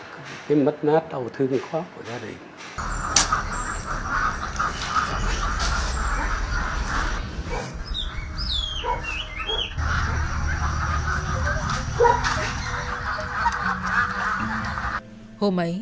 cái mất nát đầu thương khó của gia đình